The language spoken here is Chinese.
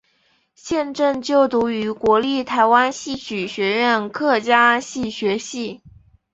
现正就读于国立台湾戏曲学院客家戏学系。